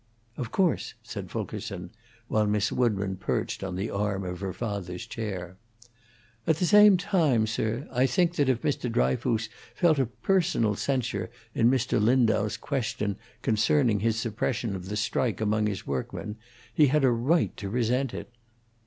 "Of course," said Fulkerson, while Miss Woodburn perched on the arm of her father's chair. "At the same time, sir, I think that if Mr. Dryfoos felt a personal censure in Mr. Lindau's questions concerning his suppression of the strike among his workmen, he had a right to resent it."